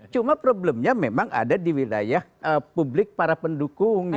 cuma problemnya memang ada di wilayah publik para pendukungnya